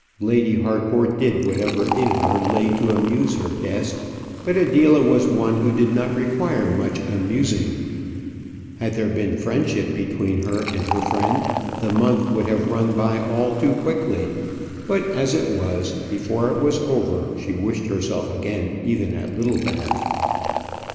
Lady Harcourt did whatever in her lay to amuse her guest; but Adela was one who did not require much amusing. Had there been friendship between her and her friend, the month would have run by all too quickly; but, as it was, before it was over she wished herself again even at Littlebath.